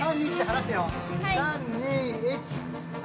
３・２・１！